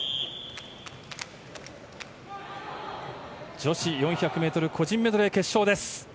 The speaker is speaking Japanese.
女子４００ｍ個人メドレー決勝です。